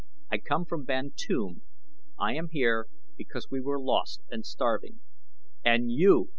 I come from Bantoom. I am here because we were lost and starving." "And you!"